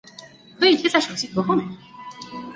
可以贴在手机壳后面